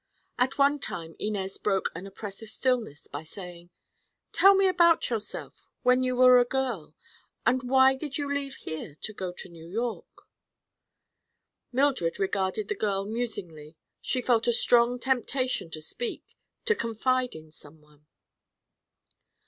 At one time Inez broke an oppressive stillness by saying: "Tell me about yourself—when you were a girl. And why did you leave here to go to New York?" Mildred regarded the girl musingly. She felt a strong temptation to speak, to confide in some one.